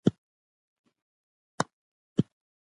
که تخنیکونه ګټور نه وي، پریسا نور بدیلونه وړاندیز کوي.